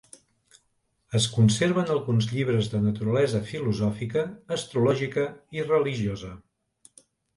Es conserven alguns llibres de naturalesa filosòfica, astrològica i religiosa.